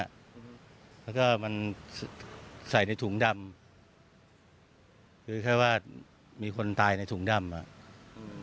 แล้วก็มันใส่ในถุงดำคือแค่ว่ามีคนตายในถุงดำอ่ะอืม